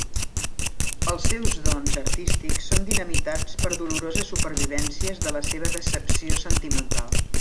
Els seus dons artístics són dinamitats per doloroses supervivències de la seva decepció sentimental.